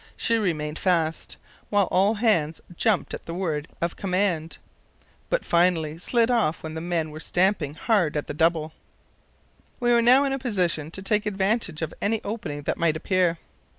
She remained fast, while all hands jumped at the word of command, but finally slid off when the men were stamping hard at the double. We were now in a position to take advantage of any opening that might appear.